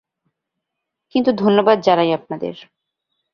কিন্তু ধন্যবাদ জানাই আপনাদের।